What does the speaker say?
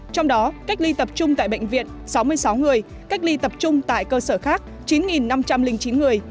trong đó cách ly tập trung tại bệnh viện sáu mươi sáu người cách ly tập trung tại cơ sở khác chín năm trăm linh chín người